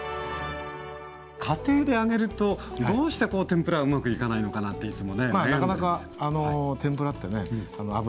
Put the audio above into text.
家庭で揚げるとどうしてこう天ぷらがうまくいかないのかなっていつもね悩んでるんですけどはい。